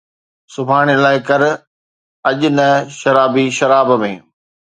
سڀاڻي لاءِ ڪر، اڄ نه شرابي شراب ۾